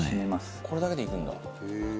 「これだけでいくんだ」